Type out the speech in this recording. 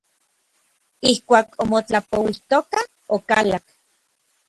Ijkuak omotlapouijtokaj, okalak.